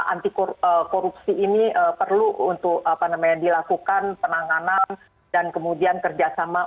anti korupsi ini perlu untuk apa namanya dilakukan penanganan dan kemudian kerjasama